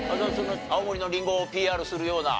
青森のりんごをＰＲするような。